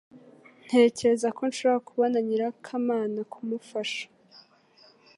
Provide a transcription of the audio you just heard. Ntekereza ko nshobora kubona nyirakamana kumufasha